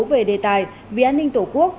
về đề tài vì an ninh tổ quốc